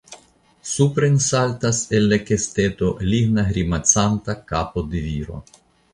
Supren saltas el la kesteto ligna grimacanta kapo de viro.